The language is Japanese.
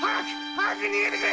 早く逃げてくれ！